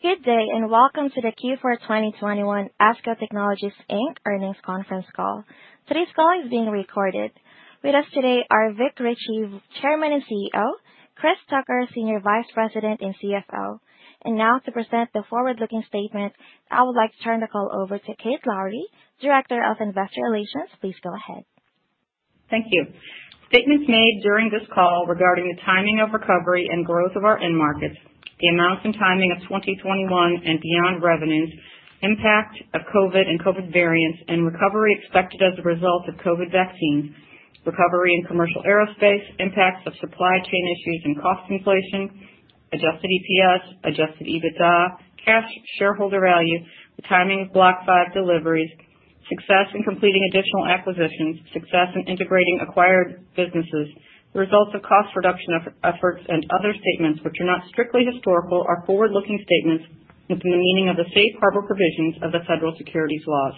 Good day, and welcome to the Q4 2021 ESCO Technologies Inc. earnings conference call. Today's call is being recorded. With us today are Vic Richey, Chairman and CEO; Chris Tucker, Senior Vice President and CFO. And now to present the forward-looking statement, I would like to turn the call over to Kate Lowrey, Director of Investor Relations. Please go ahead. Thank you. Statements made during this call regarding the timing of recovery and growth of our end markets, the amounts and timing of 2021 and beyond revenues, impact of COVID and COVID variants, and recovery expected as a result of COVID vaccines, recovery in commercial aerospace, impacts of supply chain issues and cost inflation, Adjusted EPS, Adjusted EBITDA, cash shareholder value, the timing of Block V deliveries, success in completing additional acquisitions, success in integrating acquired businesses, the results of cost reduction efforts, and other statements which are not strictly historical, are forward-looking statements within the meaning of the safe harbor provisions of the federal securities laws.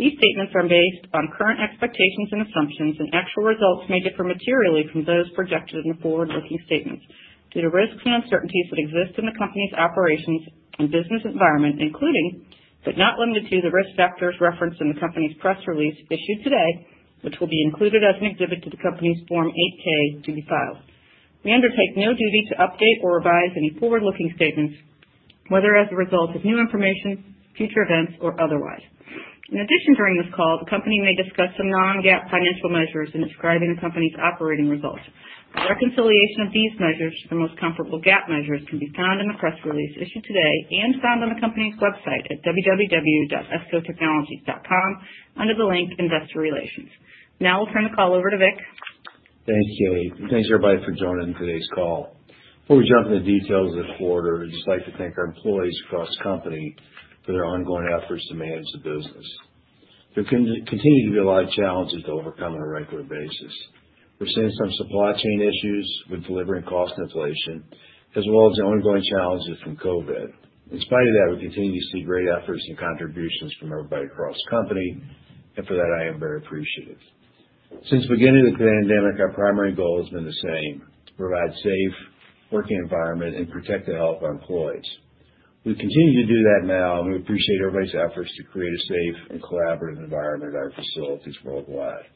These statements are based on current expectations and assumptions, and actual results may differ materially from those projected in the forward-looking statements due to risks and uncertainties that exist in the company's operations and business environment, including, but not limited to, the risk factors referenced in the company's press release issued today, which will be included as an exhibit to the company's Form 8-K to be filed. We undertake no duty to update or revise any forward-looking statements, whether as a result of new information, future events, or otherwise. In addition, during this call, the company may discuss some non-GAAP financial measures in describing the company's operating results. A reconciliation of these measures to the most comparable GAAP measures can be found in the press release issued today and found on the company's website at www.escotechnologies.com, under the link Investor Relations. Now I'll turn the call over to Vic. Thank you, Kate, and thanks, everybody, for joining today's call. Before we jump into the details of the quarter, I'd just like to thank our employees across the company for their ongoing efforts to manage the business. There continue to be a lot of challenges to overcome on a regular basis. We're seeing some supply chain issues with delivering cost inflation, as well as the ongoing challenges from COVID. In spite of that, we continue to see great efforts and contributions from everybody across the company, and for that, I am very appreciative. Since the beginning of the pandemic, our primary goal has been the same: provide safe working environment and protect the health of our employees. We continue to do that now, and we appreciate everybody's efforts to create a safe and collaborative environment at our facilities worldwide.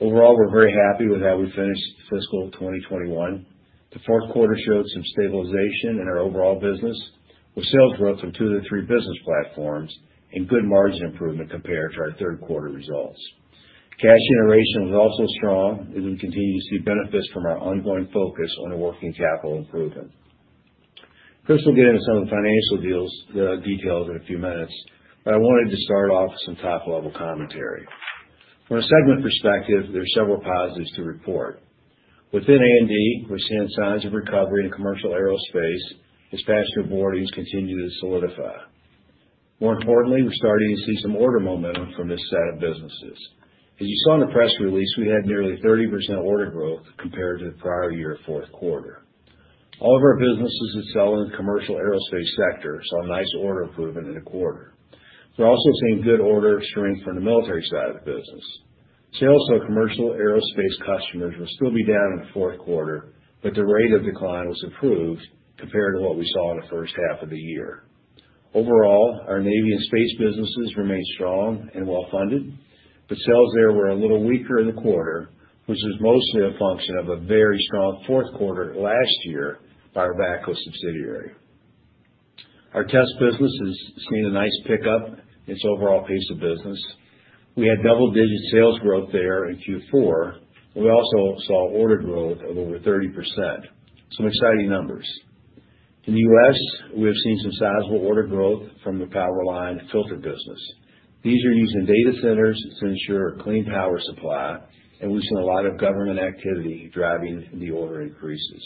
Overall, we're very happy with how we finished fiscal 2021. The Q4 showed some stabilization in our overall business, with sales growth from two of the three business platforms and good margin improvement compared to our Q3 results. Cash generation was also strong, as we continue to see benefits from our ongoing focus on working capital improvement. Chris will get into some of the financial deals, details in a few minutes, but I wanted to start off with some top-level commentary. From a segment perspective, there are several positives to report. Within A&D, we're seeing signs of recovery in commercial aerospace as passenger boardings continue to solidify. More importantly, we're starting to see some order momentum from this set of businesses. As you saw in the press release, we had nearly 30% order growth compared to the prior year Q4. All of our businesses that sell in the commercial aerospace sector saw a nice order improvement in the quarter. We're also seeing good order strength from the military side of the business. Sales to our commercial aerospace customers were still down in the Q4, but the rate of decline was improved compared to what we saw in the first half of the year. Overall, our Navy and space businesses remain strong and well-funded, but sales there were a little weaker in the quarter, which is mostly a function of a very strong Q4 last year by our VACCO subsidiary. Our Test business has seen a nice pickup in its overall pace of business. We had double-digit sales growth there in Q4. We also saw order growth of over 30%. Some exciting numbers. In the U.S., we have seen some sizable order growth from the power line filter business. These are used in data centers to ensure a clean power supply, and we've seen a lot of government activity driving the order increases.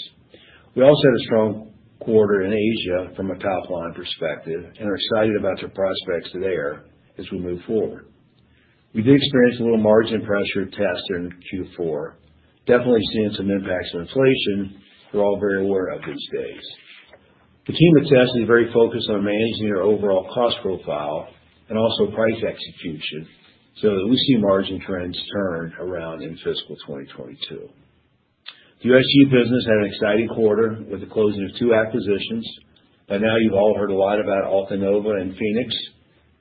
We also had a strong quarter in Asia from a top-line perspective and are excited about the prospects there as we move forward. We did experience a little margin pressure at Test in Q4, definitely seeing some impacts of inflation we're all very aware of these days. The team at Test is very focused on managing their overall cost profile and also price execution so that we see margin trends turn around in fiscal 2022. The USG business had an exciting quarter with the closing of two acquisitions. By now, you've all heard a lot about Altanova and Phenix,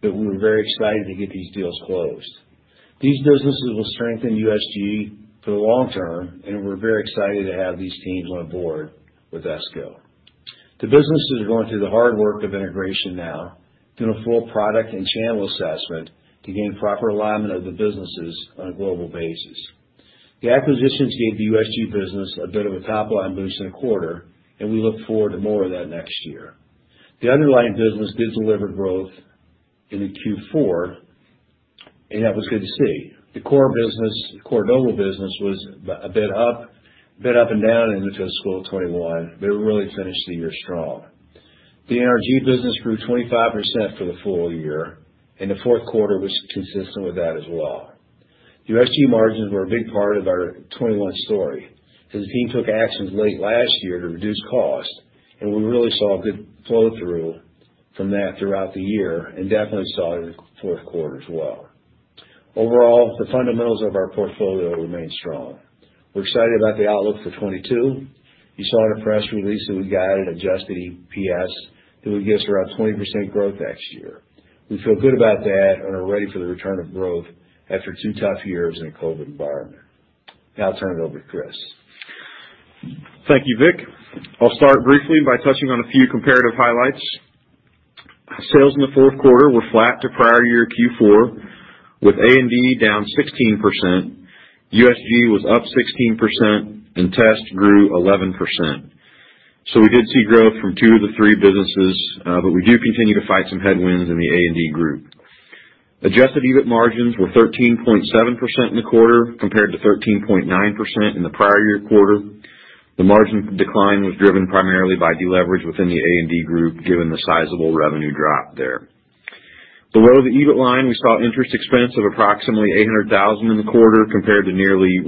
but we were very excited to get these deals closed. These businesses will strengthen USG for the long term, and we're very excited to have these teams on board with ESCO. The businesses are going through the hard work of integration now, doing a full product and channel assessment to gain proper alignment of the businesses on a global basis. The acquisitions gave the USG business a bit of a top-line boost in the quarter, and we look forward to more of that next year. The underlying business did deliver growth in the Q4, and that was good to see. The core business, the core Doble business, was a bit up, a bit up and down in the fiscal 2021, but it really finished the year strong. The NRG business grew 25% for the full year, and the Q4 was consistent with that as well. USG margins were a big part of our 2021 story. The team took actions late last year to reduce costs, and we really saw a good flow-through from that throughout the year and definitely saw it in the Q4 as well. Overall, the fundamentals of our portfolio remain strong. We're excited about the outlook for 2022. You saw in our press release that we guided adjusted EPS, that would give us around 20% growth next year. We feel good about that and are ready for the return of growth after two tough years in a COVID environment. Now I'll turn it over to Christopher. Thank you, Vic. I'll start briefly by touching on a few comparative highlights. Sales in the Q4 were flat to prior year Q4, with A&D down 16%, USG was up 16%, and Test grew 11%. So we did see growth from two of the three businesses, but we do continue to fight some headwinds in the A&D group. Adjusted EBIT margins were 13.7% in the quarter, compared to 13.9% in the prior year quarter. The margin decline was driven primarily by deleverage within the A&D group, given the sizable revenue drop there. Below the EBIT line, we saw interest expense of approximately $800,000 in the quarter, compared to nearly $1.5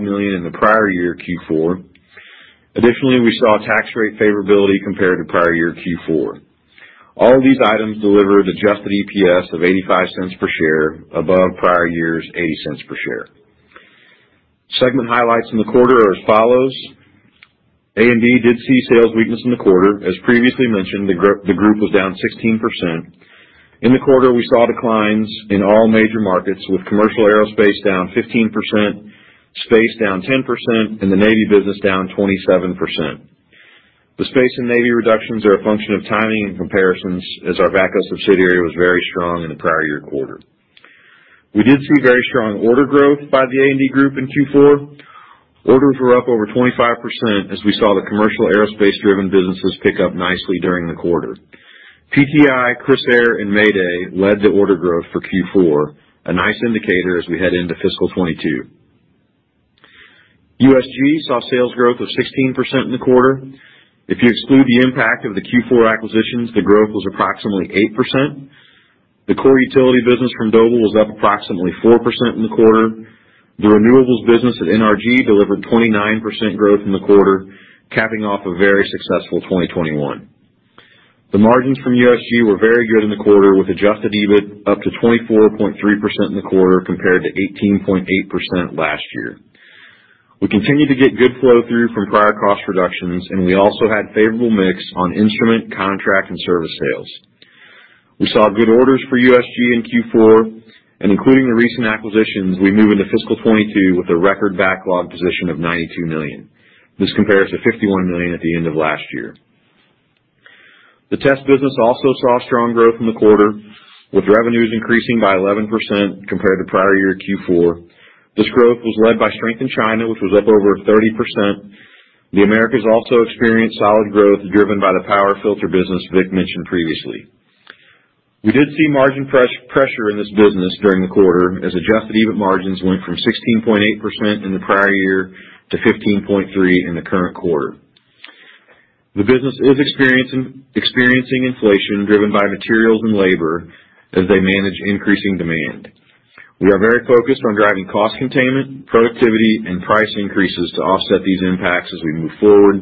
million in the prior year Q4. Additionally, we saw a tax rate favorability compared to prior year Q4. All these items delivered adjusted EPS of $0.85 per share, above prior year's $0.80 per share. Segment highlights in the quarter are as follows: A&D did see sales weakness in the quarter. As previously mentioned, the group was down 16%. In the quarter, we saw declines in all major markets, with commercial aerospace down 15%, space down 10%, and the Navy business down 27%. The space and Navy reductions are a function of timing and comparisons, as our VACCO subsidiary was very strong in the prior year quarter. We did see very strong order growth by the A&D group in Q4. Orders were up over 25%, as we saw the commercial aerospace-driven businesses pick up nicely during the quarter. PTI, Crissair, and Mayday led the order growth for Q4, a nice indicator as we head into fiscal 2022. USG saw sales growth of 16% in the quarter. If you exclude the impact of the Q4 acquisitions, the growth was approximately 8%. The core utility business from Doble was up approximately 4% in the quarter. The renewables business at NRG delivered 29% growth in the quarter, capping off a very successful 2021. The margins from USG were very good in the quarter, with adjusted EBIT up to 24.3% in the quarter, compared to 18.8% last year. We continued to get good flow-through from prior cost reductions, and we also had favorable mix on instrument, contract, and service sales. We saw good orders for USG in Q4, and including the recent acquisitions, we move into fiscal 2022 with a record backlog position of $92 million. This compares to $51 million at the end of last year. The Test business also saw strong growth in the quarter, with revenues increasing by 11% compared to prior year Q4. This growth was led by strength in China, which was up over 30%. The Americas also experienced solid growth, driven by the power filter business Vic mentioned previously. We did see margin pressure in this business during the quarter, as Adjusted EBIT margins went from 16.8% in the prior year to 15.3% in the current quarter. The business is experiencing inflation driven by materials and labor as they manage increasing demand. We are very focused on driving cost containment, productivity, and price increases to offset these impacts as we move forward.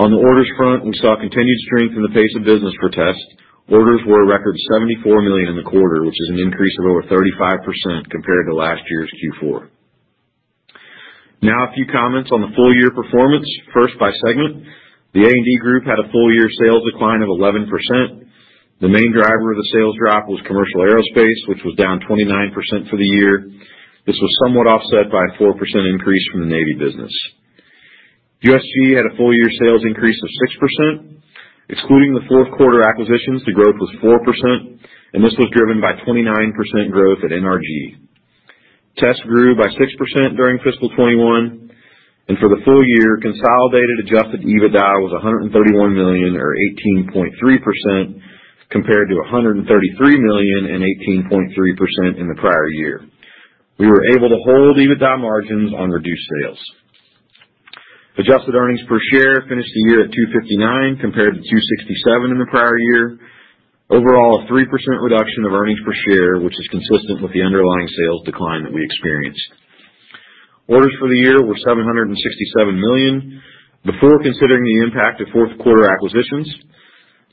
On the orders front, we saw continued strength in the pace of business for Test. Orders were a record $74 million in the quarter, which is an increase of over 35% compared to last year's Q4. Now, a few comments on the full year performance, first by segment. The A&D group had a full year sales decline of 11%. The main driver of the sales drop was commercial aerospace, which was down 29% for the year. This was somewhat offset by a 4% increase from the Navy business. USG had a full year sales increase of 6%. Excluding the Q4 acquisitions, the growth was 4%, and this was driven by 29% growth at NRG. Test grew by 6% during fiscal 2021, and for the full year, consolidated adjusted EBITDA was $131 million, or 18.3%, compared to $133 million and 18.3% in the prior year. We were able to hold EBITDA margins on reduced sales. Adjusted earnings per share finished the year at $2.59, compared to $2.67 in the prior year. Overall, a 3% reduction of earnings per share, which is consistent with the underlying sales decline that we experienced. Orders for the year were $767 million, before considering the impact of Q4 acquisitions.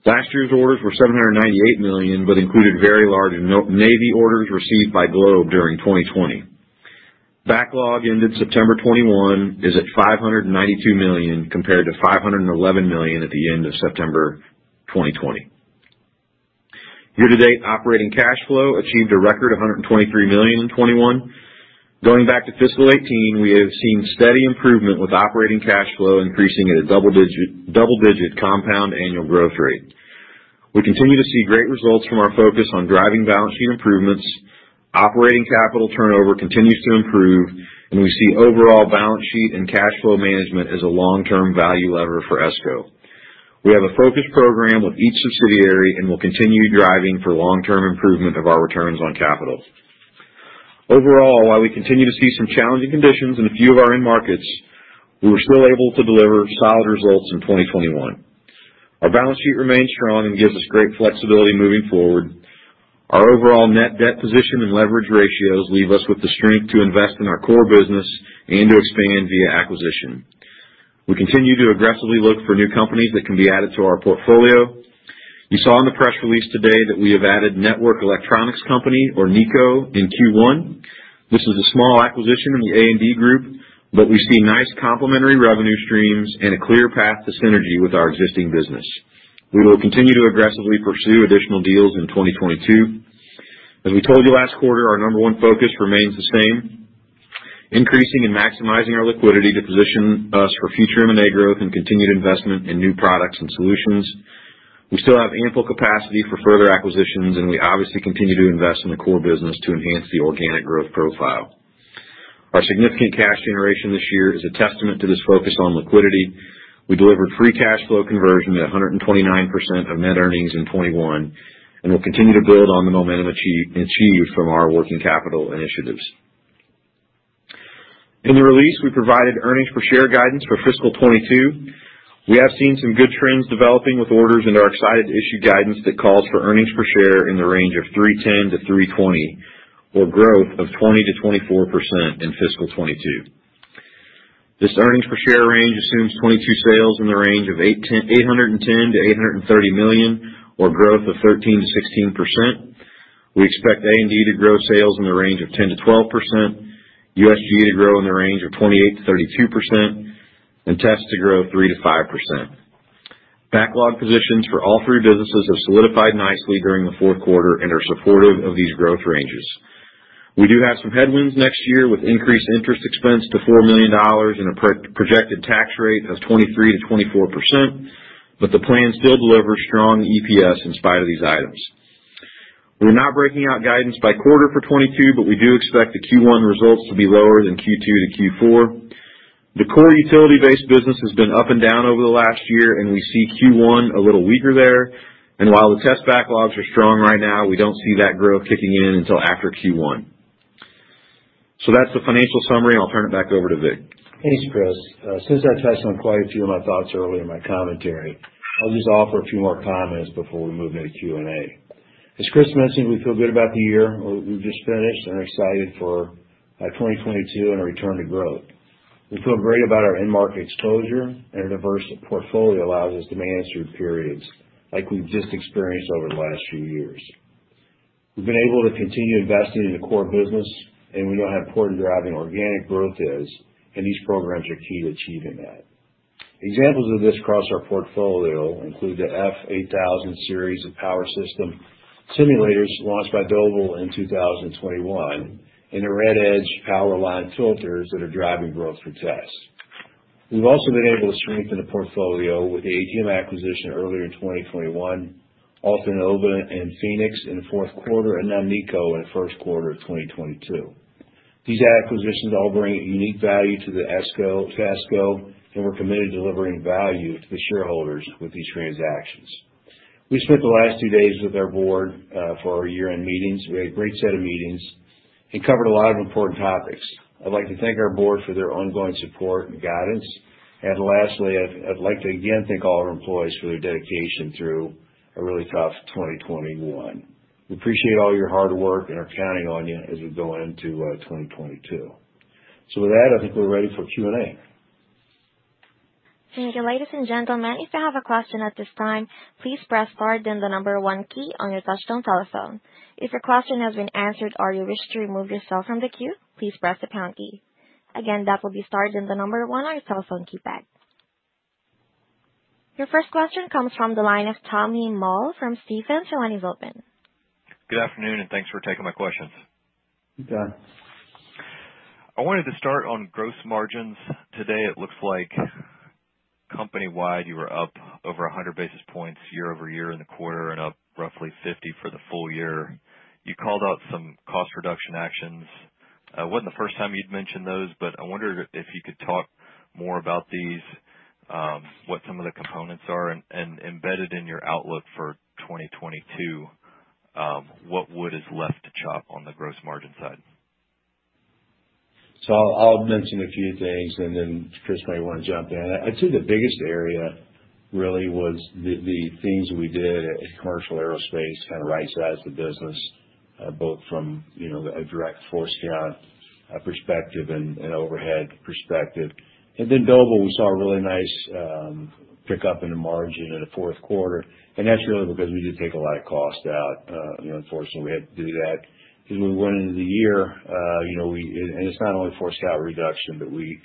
Last year's orders were $798 million, but included very large Navy orders received by Globe during 2020. Backlog ended September 2021 is at $592 million, compared to $511 million at the end of September 2020. Year to date, operating cash flow achieved a record of $123 million in 2021. Going back to fiscal 2018, we have seen steady improvement, with operating cash flow increasing at a double-digit compound annual growth rate. We continue to see great results from our focus on driving balance sheet improvements. Operating capital turnover continues to improve, and we see overall balance sheet and cash flow management as a long-term value lever for ESCO. We have a focused program with each subsidiary and will continue driving for long-term improvement of our returns on capital. Overall, while we continue to see some challenging conditions in a few of our end markets, we were still able to deliver solid results in 2021. Our balance sheet remains strong and gives us great flexibility moving forward. Our overall net debt position and leverage ratios leave us with the strength to invest in our core business and to expand via acquisition. We continue to aggressively look for new companies that can be added to our portfolio. You saw in the press release today that we have added Networks Electronic Co., or NECo, in Q1. This is a small acquisition in the A&D group, but we see nice complementary revenue streams and a clear path to synergy with our existing business. We will continue to aggressively pursue additional deals in 2022. As we told you last quarter, our number one focus remains the same: increasing and maximizing our liquidity to position us for future M&A growth and continued investment in new products and solutions. We still have ample capacity for further acquisitions, and we obviously continue to invest in the core business to enhance the organic growth profile. Our significant cash generation this year is a testament to this focus on liquidity. We delivered free cash flow conversion at 129% of net earnings in 2021, and we'll continue to build on the momentum achieved from our working capital initiatives. In the release, we provided earnings per share guidance for fiscal 2022. We have seen some good trends developing with orders and are excited to issue guidance that calls for earnings per share in the range of $3.10-$3.20, or growth of 20%-24% in fiscal 2022. This earnings per share range assumes 2022 sales in the range of $810 million-$830 million, or growth of 13%-16%. We expect A&D to grow sales in the range of 10%-12%, USG to grow in the range of 28%-32%, and Test to grow 3%-5%. Backlog positions for all three businesses have solidified nicely during the Q4 and are supportive of these growth ranges. We do have some headwinds next year with increased interest expense to $4 million and a projected tax rate of 23%-24%, but the plan still delivers strong EPS in spite of these items. We're not breaking out guidance by quarter for 2022, but we do expect the Q1 results to be lower than Q2 to Q4. The core utility-based business has been up and down over the last year, and we see Q1 a little weaker there. And while the test backlogs are strong right now, we don't see that growth kicking in until after Q1. So that's the financial summary, and I'll turn it back over to Victor. Thanks, Christopher. Since I touched on quite a few of my thoughts earlier in my commentary, I'll just offer a few more comments before we move into Q&A. As Christopher mentioned, we feel good about the year we've just finished and are excited for 2022 and a return to growth. We feel great about our end market exposure and a diverse portfolio allows us to manage through periods like we've just experienced over the last few years. We've been able to continue investing in the core business, and we know how important driving organic growth is, and these programs are key to achieving that. Examples of this across our portfolio include the F8000 Series of power system simulators launched by Doble in 2021, and the RedEdge power line filters that are driving growth for Test. We've also been able to strengthen the portfolio with the ATM acquisition earlier in 2021, Altanova and Phenix in the Q4, and now NECo in the Q1 of 2022. These acquisitions all bring unique value to the ESCO, to ESCO, and we're committed to delivering value to the shareholders with these transactions. We spent the last two days with our board for our year-end meetings. We had a great set of meetings and covered a lot of important topics. I'd like to thank our board for their ongoing support and guidance. And lastly, I'd like to again thank all of our employees for their dedication through a really tough 2021. We appreciate all your hard work and are counting on you as we go into 2022. So with that, I think we're ready for Q&A. Thank you, ladies and gentlemen, if you have a question at this time, please press star, then the number one key on your touchtone telephone. If your question has been answered or you wish to remove yourself from the queue, please press the pound key. Again, that will be star, then the number one on your telephone keypad. Your first question comes from the line of Tommy Moll from Stephens. Your line is open. Good afternoon, and thanks for taking my questions. You bet. I wanted to start on gross margins. Today, it looks like company-wide, you were up over 100 basis points year-over-year in the quarter and up roughly 50 for the full year. You called out some cost reduction actions. It wasn't the first time you'd mentioned those, but I wondered if you could talk more about these, what some of the components are, and embedded in your outlook for 2022, what wood is left to chop on the gross margin side? So I'll mention a few things, and then Chris may want to jump in. I'd say the biggest area really was the things we did at Commercial Aerospace, kind of right-sized the business, both from, you know, a direct headcount perspective and overhead perspective. And then Doble, we saw a really nice pick up in the margin in the Q4, and that's really because we did take a lot of cost out. You know, unfortunately, we had to do that because when we went into the year, you know, we, and it's not only headcount reduction, but we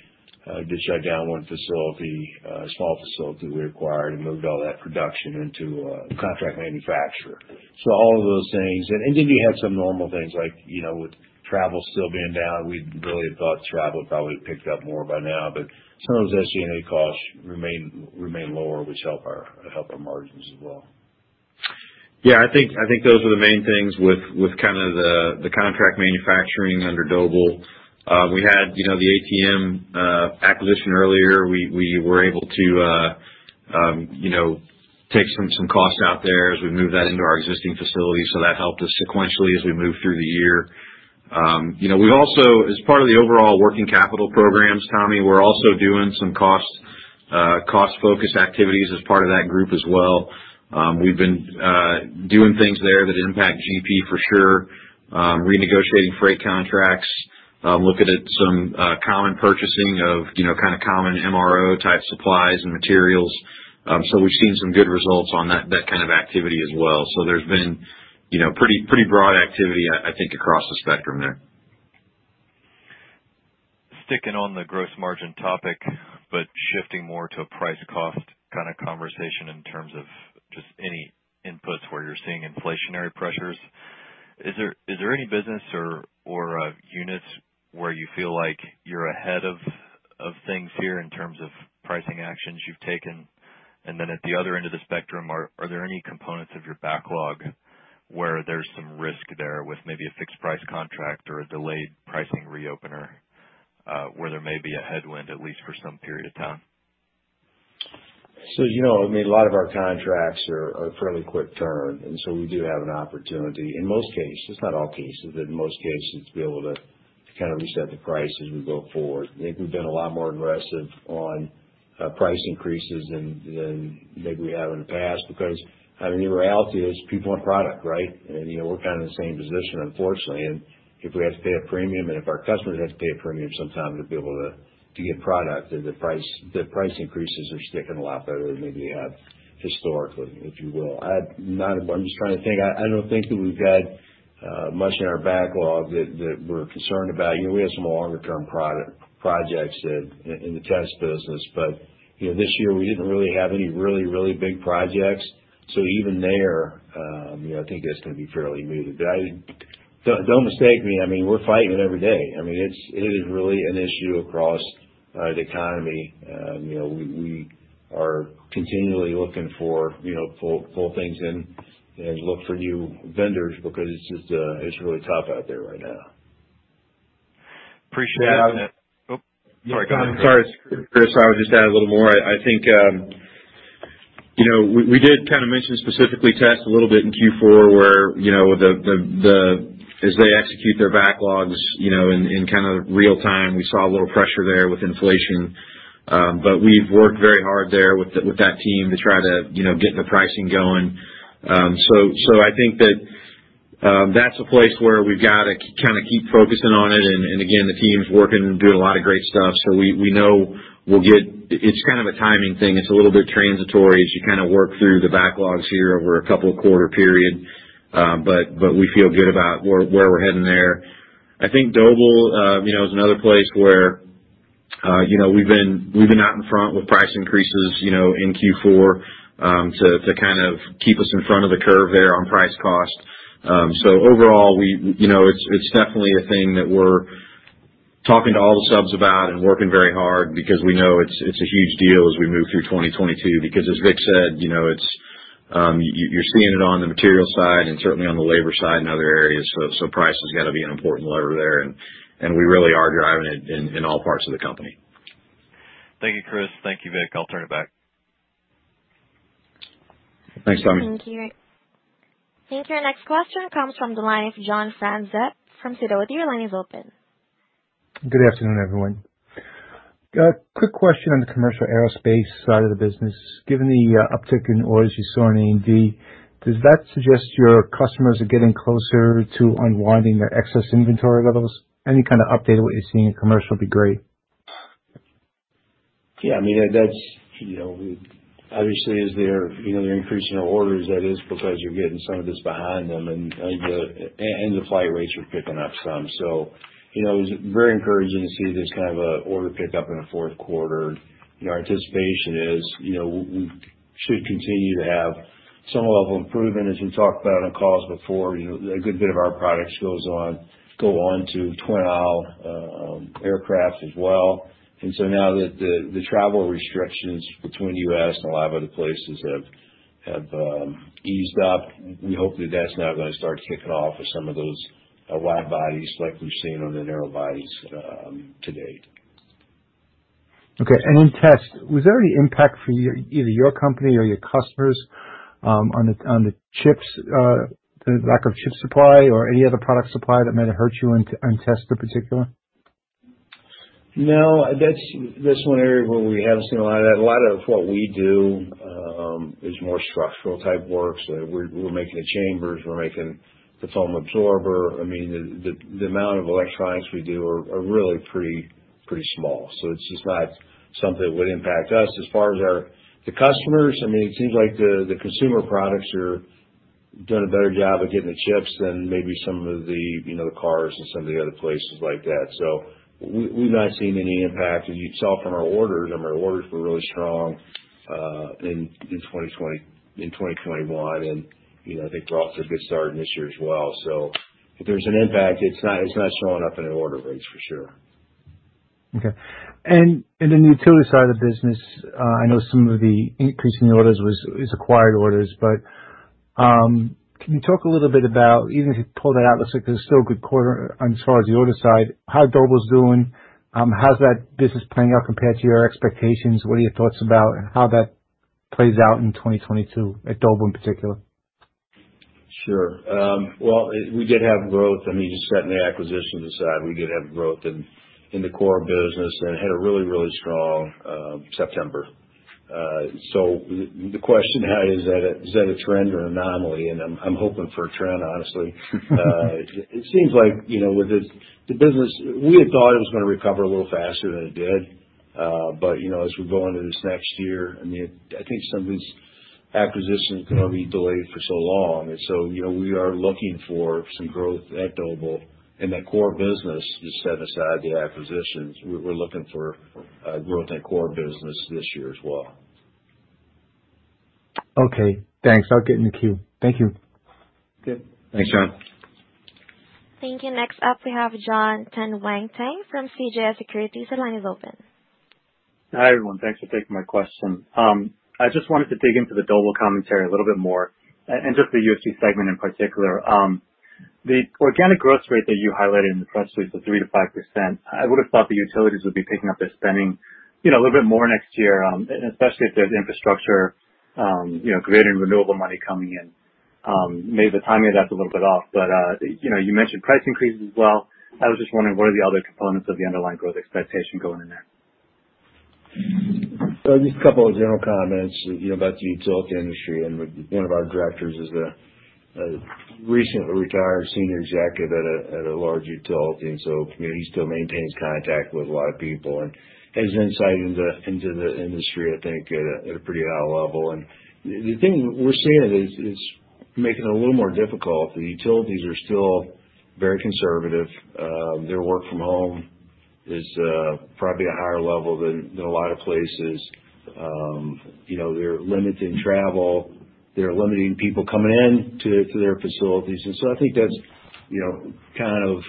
did shut down one facility, a small facility we acquired, and moved all that production into a contract manufacturer. So all of those things. Then we had some normal things like, you know, with travel still being down, we really had thought travel probably picked up more by now, but some of those SG&A costs remain lower, which help our margins as well. Yeah, I think those are the main things with kind of the contract manufacturing under Doble. We had, you know, the ATM acquisition earlier. We were able to, you know, take some costs out there as we moved that into our existing facilities, so that helped us sequentially as we moved through the year. You know, we've also, as part of the overall working capital programs, Tommy, we're also doing some cost-focused activities as part of that group as well. We've been doing things there that impact GP for sure. Renegotiating freight contracts, looking at some common purchasing of, you know, kind of common MRO type supplies and materials. So we've seen some good results on that kind of activity as well. There's been, you know, pretty broad activity, I think, across the spectrum there. Sticking on the gross margin topic, but shifting more to a price cost kind of conversation in terms of just any inputs where you're seeing inflationary pressures. Is there any business or units where you feel like you're ahead of things here in terms of pricing actions you've taken? And then, at the other end of the spectrum, are there any components of your backlog where there's some risk there with maybe a fixed price contract or a delayed pricing reopener, where there may be a headwind, at least for some period of time? So, you know, I mean, a lot of our contracts are fairly quick turn, and so we do have an opportunity, in most cases, not all cases, but in most cases, to be able to kind of reset the price as we go forward. I think we've been a lot more aggressive on price increases than maybe we have in the past, because, I mean, the reality is, people want product, right? And, you know, we're kind of in the same position, unfortunately. And if we have to pay a premium, and if our customers have to pay a premium sometime to be able to get product, then the price increases are sticking a lot better than maybe historically, if you will. I'm just trying to think. I don't think that we've had much in our backlog that we're concerned about. You know, we have some longer-term product projects in the test business, but you know, this year we didn't really have any really big projects. So even there, you know, I think that's going to be fairly muted. But I don't mistake me, I mean, we're fighting it every day. I mean, it is really an issue across the economy. You know, we are continually looking for you know, pull things in and look for new vendors because it's just really tough out there right now. Appreciate it. Yeah- Oh, sorry, go ahead. Sorry, Chris, I would just add a little more. I think, you know, we did kind of mention specifically Test a little bit in Q4, where, you know, as they execute their backlogs, you know, in kind of real time, we saw a little pressure there with inflation. But we've worked very hard there with that team to try to, you know, get the pricing going. So, I think that, that's a place where we've got to kind of keep focusing on it. And again, the team's working and doing a lot of great stuff, so we know we'll get... It's kind of a timing thing. It's a little bit transitory as you kind of work through the backlogs here over a couple of quarter period. But we feel good about where we're heading there. I think Doble, you know, is another place where, you know, we've been out in front with price increases, you know, in Q4, to kind of keep us in front of the curve there on price cost. So overall, you know, it's definitely a thing that we're talking to all the subs about and working very hard because we know it's a huge deal as we move through 2022. Because as Vic said, you know, you're seeing it on the material side and certainly on the labor side and other areas. So price has got to be an important lever there, and we really are driving it in all parts of the company. Thank you, Christopher. Thank you, Victor. I'll turn it back. Thanks, Tommy. Thank you. Thank you. Our next question comes from the line of John Franzreb from Sidoti. Your line is open. Good afternoon, everyone. Quick question on the commercial aerospace side of the business. Given the uptick in orders you saw in A&D, does that suggest your customers are getting closer to unwinding their excess inventory levels? Any kind of update on what you're seeing in commercial would be great. Yeah, I mean, that's, you know, obviously as they're, you know, they're increasing their orders, that is because you're getting some of this behind them, and the flight rates are picking up some. So, you know, it's very encouraging to see this kind of a order pickup in the Q4. And our anticipation is, you know, we should continue to have some level of improvement. As we talked about on calls before, you know, a good bit of our products go on to twin-aisle aircraft as well. And so now that the travel restrictions between U.S. and a lot of other places have eased up, we hope that that's now gonna start kicking off for some of those wide bodies like we've seen on the narrow bodies to date. Okay. And in Test, was there any impact for your, either your company or your customers, on the chips, the lack of chip supply or any other product supply that might have hurt you in Test in particular? No, that's one area where we haven't seen a lot of that. A lot of what we do is more structural type work. So we're making the chambers, we're making the foam absorber. I mean, the amount of electronics we do are really pretty small. So it's just not something that would impact us. As far as our customers, I mean, it seems like the consumer products are doing a better job of getting the chips than maybe some of the, you know, the cars and some of the other places like that. So we've not seen any impact. And you saw from our orders, and our orders were really strong in 2021, and, you know, I think we're off to a good start in this year as well. If there's an impact, it's not, it's not showing up in an order rate, for sure. Okay. And in the utility side of the business, I know some of the increase in the orders was acquired orders, but can you talk a little bit about, even if you pull that out, it looks like there's still a good quarter as far as the order side. How's Doble doing? How's that business playing out compared to your expectations? What are your thoughts about how that plays out in 2022, at Doble in particular? ... Sure. Well, it, we did have growth. I mean, just setting the acquisitions aside, we did have growth in the core business and had a really, really strong September. So the question now is, is that a trend or an anomaly? And I'm hoping for a trend, honestly. It seems like, you know, with this, the business, we had thought it was gonna recover a little faster than it did. But, you know, as we go into this next year, I mean, I think some of these acquisitions are gonna be delayed for so long. And so, you know, we are looking for some growth at Doble in that core business, just set aside the acquisitions. We're looking for growth in core business this year as well. Okay, thanks. I'll get in the queue. Thank you. Good. Thanks, Jon. Thank you. Next up, we have Jon Tanwanteng from CJS Securities. The line is open. Hi, everyone. Thanks for taking my question. I just wanted to dig into the Doble commentary a little bit more, and just the USG segment in particular. The organic growth rate that you highlighted in the press release of 3%-5%, I would've thought the utilities would be picking up their spending, you know, a little bit more next year, and especially if there's infrastructure, you know, creating renewable money coming in. Maybe the timing of that's a little bit off, but, you know, you mentioned price increases as well. I was just wondering, what are the other components of the underlying growth expectation going in there? So just a couple of general comments, you know, about the utility industry, and one of our directors is a recently retired senior executive at a large utility, and so, you know, he still maintains contact with a lot of people and has insight into the industry, I think, at a pretty high level. The thing we're seeing is making it a little more difficult. The utilities are still very conservative. Their work from home is probably a higher level than a lot of places. You know, they're limiting travel, they're limiting people coming in to their facilities. And so I think that's, you know, kind of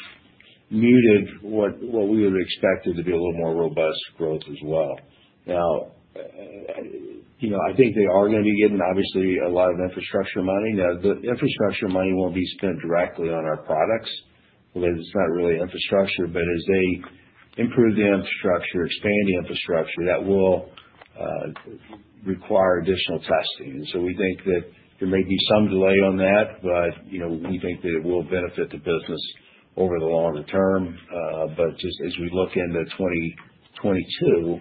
muted what we had expected to be a little more robust growth as well. Now, you know, I think they are gonna be getting, obviously, a lot of infrastructure money. Now, the infrastructure money won't be spent directly on our products because it's not really infrastructure. But as they improve the infrastructure, expand the infrastructure, that will require additional testing. And so we think that there may be some delay on that, but, you know, we think that it will benefit the business over the longer term. But just as we look into 2022,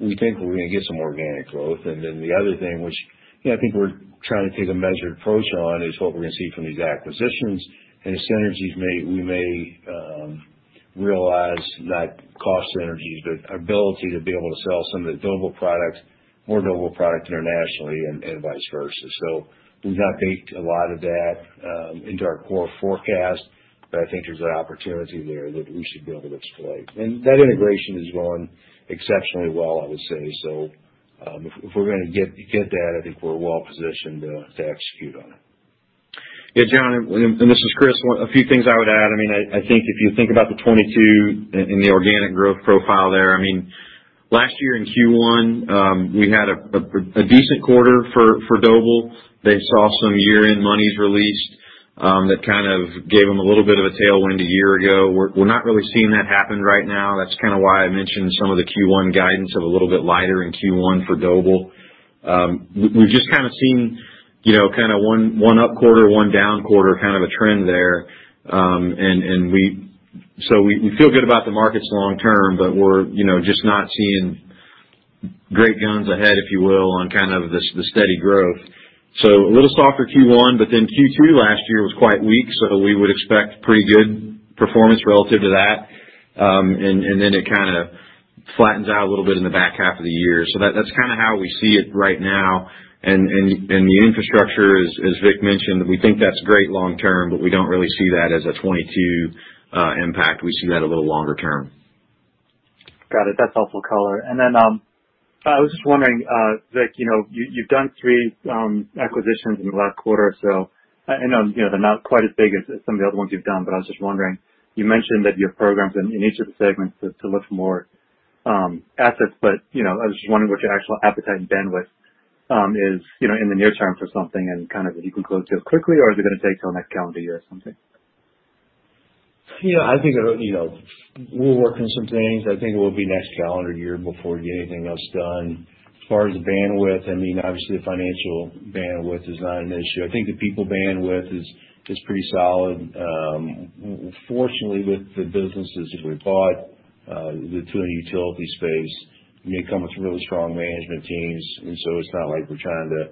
we think we're gonna get some organic growth. And then the other thing, which, you know, I think we're trying to take a measured approach on, is what we're gonna see from these acquisitions and the synergies we may realize, not cost synergies, but ability to be able to sell some of the Doble products, more Doble products internationally and vice versa. So we've not baked a lot of that into our core forecast, but I think there's an opportunity there that we should be able to exploit. And that integration is going exceptionally well, I would say. So, if we're gonna get that, I think we're well positioned to execute on it. Yeah, John, this is Chris. A few things I would add. I mean, I think if you think about the 2022 and the organic growth profile there, I mean, last year in Q1, we had a decent quarter for Doble. They saw some year-end monies released that kind of gave them a little bit of a tailwind a year ago. We're not really seeing that happen right now. That's kind of why I mentioned some of the Q1 guidance of a little bit lighter in Q1 for Doble. We've just kind of seen, you know, kind of one up quarter, one down quarter, kind of a trend there. And we... So we, we feel good about the markets long term, but we're, you know, just not seeing great guns ahead, if you will, on kind of this, the steady growth. So a little softer Q1, but then Q3 last year was quite weak, so we would expect pretty good performance relative to that. And then it kind of flattens out a little bit in the back half of the year. So that's kind of how we see it right now. And the infrastructure, as Vic mentioned, we think that's great long term, but we don't really see that as a 2022 impact. We see that a little longer term. Got it. That's helpful color. And then, I was just wondering, Victor, you know, you, you've done 3 acquisitions in the last quarter or so. I know, you know, they're not quite as big as some of the other ones you've done, but I was just wondering, you mentioned that your programs in each of the segments is to look for more assets, but, you know, I was just wondering what your actual appetite and bandwidth is, you know, in the near term for something and kind of if you can close it quickly, or is it gonna take till next calendar year or something? Yeah, I think, you know, we're working on some things. I think it will be next calendar year before we get anything else done. As far as the bandwidth, I mean, obviously the financial bandwidth is not an issue. I think the people bandwidth is pretty solid. Fortunately, with the businesses that we bought, the two in the utility space, they come with really strong management teams, and so it's not like we're trying to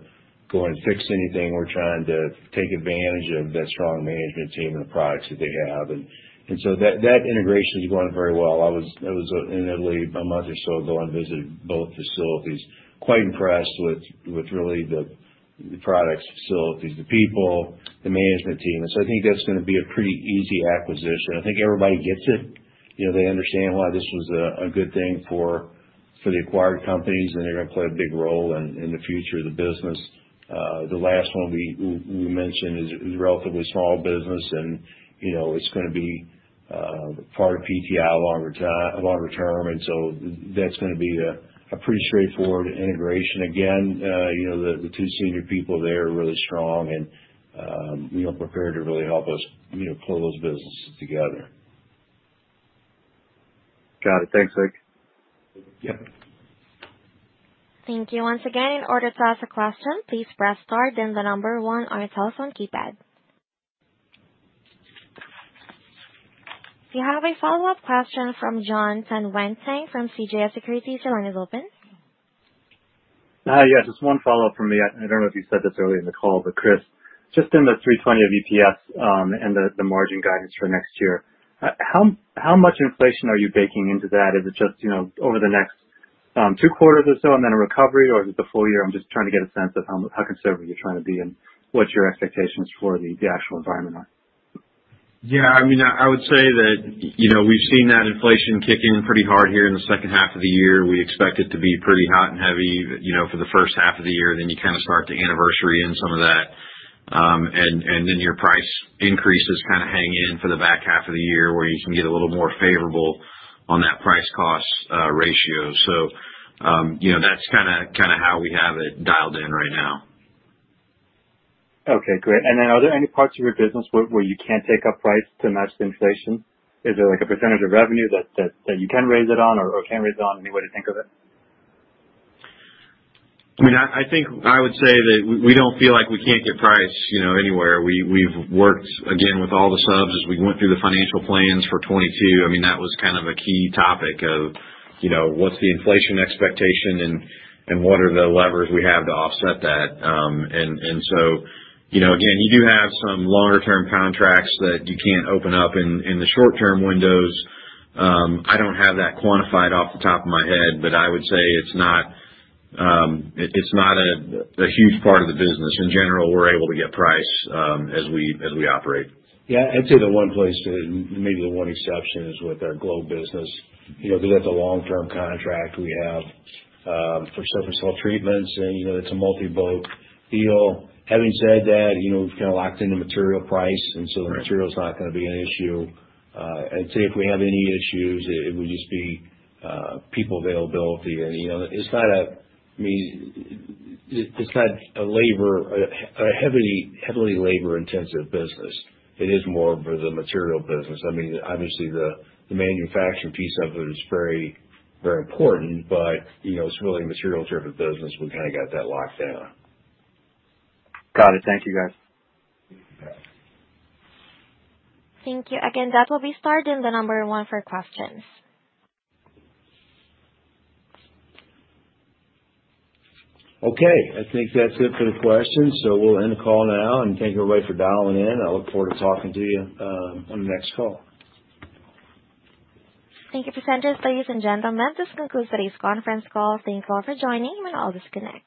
go in and fix anything. We're trying to take advantage of that strong management team and the products that they have. And so that integration is going very well. I was in Italy a month or so ago and visited both facilities. Quite impressed with really the products, facilities, the people, the management team. And so I think that's gonna be a pretty easy acquisition. I think everybody gets it, you know, they understand why this was a good thing for the acquired companies, and they're gonna play a big role in the future of the business. The last one we mentioned is a relatively small business, and, you know, it's gonna be part of PTI a longer term, and so that's gonna be a pretty straightforward integration. Again, you know, the two senior people there are really strong and, you know, prepared to really help us, you know, pull those businesses together.... Got it. Thanks, Nick. Yeah. Thank you once again. In order to ask a question, please press star then the number one on your telephone keypad. We have a follow-up question from Jon Tanwanteng from CJS Securities. Your line is open. Yes, just one follow-up from me. I don't know if you said this earlier in the call, but Christopher, just in the Q3 20 of ETS, and the margin guidance for next year, how much inflation are you baking into that? Is it just, you know, over the next Q2 or so and then a recovery, or is it the full year? I'm just trying to get a sense of how conservative you're trying to be and what your expectations for the actual environment are. Yeah, I mean, I would say that, you know, we've seen that inflation kicking pretty hard here in the second half of the year. We expect it to be pretty hot and heavy, you know, for the first half of the year, then you kind of start to anniversary in some of that. And then your price increases kind of hang in for the back half of the year, where you can get a little more favorable on that price cost ratio. So, you know, that's kinda how we have it dialed in right now. Okay, great. And then are there any parts of your business where you can't take up price to match the inflation? Is there like a percentage of revenue that you can raise it on or can't raise it on? Any way to think of it? I mean, I think I would say that we don't feel like we can't get price, you know, anywhere. We've worked again with all the subs as we went through the financial plans for 2022. I mean, that was kind of a key topic of, you know, what's the inflation expectation and what are the levers we have to offset that? You know, again, you do have some longer term contracts that you can't open up in the short term windows. I don't have that quantified off the top of my head, but I would say it's not a huge part of the business. In general, we're able to get price as we operate. Yeah. I'd say the one place that maybe the one exception is with our Globe business, you know, because that's a long-term contract we have, for surface cell treatments, and, you know, it's a multi-boat deal. Having said that, you know, we've kind of locked in the material price, and so- Right. - the material is not gonna be an issue. I'd say if we have any issues, it would just be people availability and, you know, it's not a heavily labor intensive business. It is more of the material business. I mean, obviously, the manufacturing piece of it is very, very important, but, you know, it's really a material-driven business. We've kind of got that locked down. Got it. Thank you, guys. Thank you. Again, that will be star then 1 for questions. Okay, I think that's it for the questions, so we'll end the call now, and thank everybody for dialing in. I look forward to talking to you, on the next call. Thank you, presenters. Ladies and gentlemen, this concludes today's conference call. Thank you all for joining, and all disconnect.